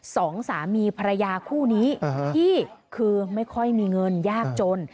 สองสามีภรรยาคู่นี้ที่คือไม่ค่อยมีเงินยากจน